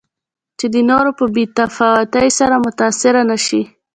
چې د نورو په بې تفاوتۍ سره متأثره نه شي.